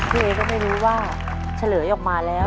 เอก็ไม่รู้ว่าเฉลยออกมาแล้ว